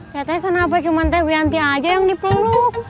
ya teh kenapa cuma teh wianti aja yang dipeluk